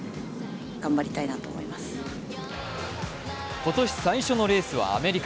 今年最初のレースはアメリカ。